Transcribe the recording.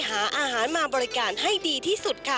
หาอาหารมาบริการให้ดีที่สุดค่ะ